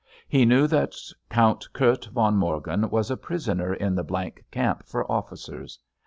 He knew that Count Kurt von Morgen was a prisoner in the —— camp for officers.